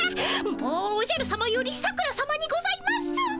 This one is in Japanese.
もうおじゃるさまより桜さまにございます！